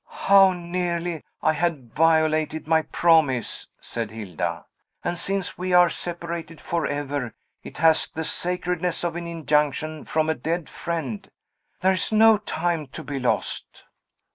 "How nearly I had violated my promise!" said Hilda. "And, since we are separated forever, it has the sacredness of an injunction from a dead friend. There is no time to be lost."